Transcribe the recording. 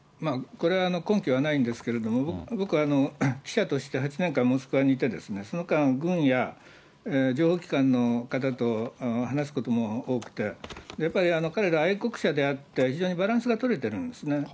これは、根拠はないんですけれども、僕は記者として８年間、モスクワにいて、その間、軍や情報機関の方と話すことも多くて、やっぱり彼ら、愛国者であって、非常にバランスが取れてるんですね。